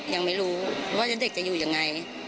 ยังไม่รู้ว่าเด็กจะอยู่ยังไง